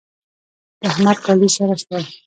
د احمد کالي سره شول.